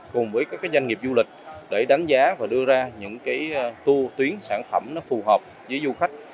cùng với các doanh nghiệp du lịch để đánh giá và đưa ra những cái tu tuyến sản phẩm phù hợp với du khách